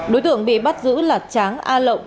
đối tượng bị bắt giữ là tráng a lộng